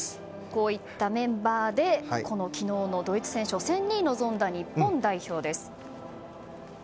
こういったメンバーで昨日のドイツ戦初戦に臨んだ日本代表です。